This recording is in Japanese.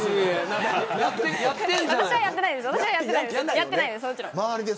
私はやってないです。